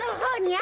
あ。